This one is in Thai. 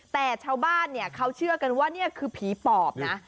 แต่ชาวบ้านเนี่ยเขาเชื่อกันว่านี่คือผีปอบนะ